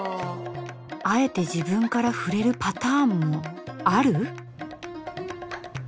あえて自分から触れるパターンもある？